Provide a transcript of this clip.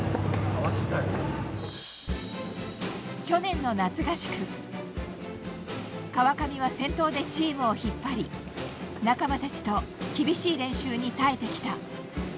去年の夏合宿川上は先頭でチームを引っ張り仲間たちと厳しい練習に耐えてきた。